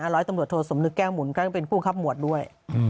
ร้อยตำรวจโทสมนึกแก้วหมุนก็เป็นผู้บังคับหมวดด้วย